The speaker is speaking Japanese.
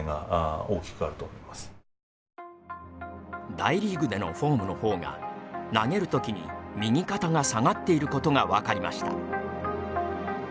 大リーグでのフォームの方が投げる時に右肩が下がっていることが分かりました。